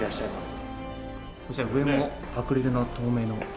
こちら上もアクリルの透明の。